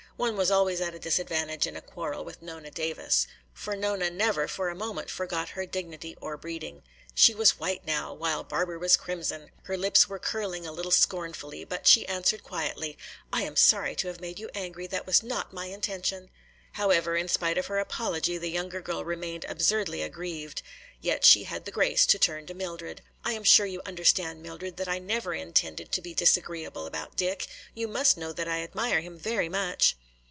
One was always at a disadvantage in a quarrel with Nona Davis. For Nona never for a moment forgot her dignity or breeding. She was white now, while Barbara was crimson. Her lips were curling a little scornfully, but she answered quietly, "I am sorry to have made you angry; that was not my intention." However, in spite of her apology, the younger girl remained absurdly aggrieved. Yet she had the grace to turn to Mildred. "I am sure you understand, Mildred, that I never intended to be disagreeable about Dick. You must know that I admire him very much."